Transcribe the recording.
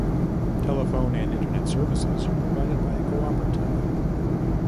Telephone and Internet services are provided by a cooperative.